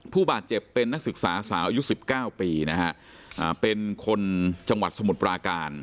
ผู้บาดเจ็บเป็นนักศึกษาสาวอายุ๑๙ปีนะฮะเป็นคนจังหวัดสมุทรปราการ